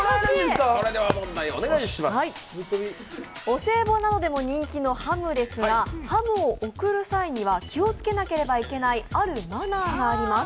お歳暮などでも人気のハムですが、ハムを贈る際には気をつけなければいけないあるマナーがあります。